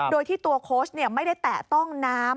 โดยที่ตัวโค้ชไม่ได้แตะต้องน้ำ